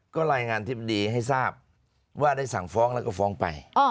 ก็รายงานอธิบดีให้ทราบว่าได้สั่งฟ้องแล้วก็ฟ้องไป